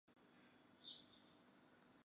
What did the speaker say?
这是由于这里远离其他国家。